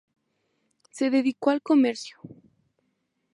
Se dedicó al comercio.